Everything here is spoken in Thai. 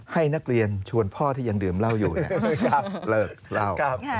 ให้นักเรียนชวนพ่อที่ยังดื่มเหล้าอยู่เลิกเล่า